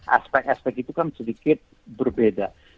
aspek aspek itu kan sedikit berbeda